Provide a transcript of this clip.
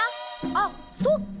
あそっか。